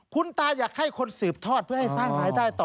คุณตาอยากให้คนสืบทอดเพื่อให้สร้างรายได้ต่อ